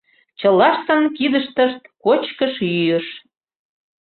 Чылаштын кидыштышт кочкыш-йӱыш.